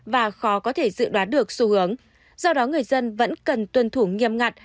và khó có thể dự đoán được xu hướng do đó người dân vẫn cần tuân thủ nghiêm ngặt